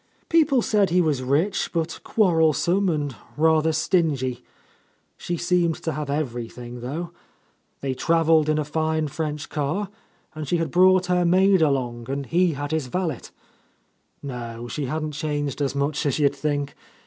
People said he was rich, but quarrelsome and rather stingy. She seemed to have everything, though. They travelled in a fine French car, and she had brought her maid along, and he had his valet. No, she hadn't changed as much as you'd think.